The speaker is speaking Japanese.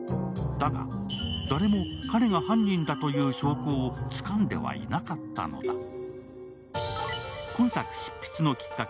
だが、誰も彼が犯人だという証拠をつかんではいなかったのだ。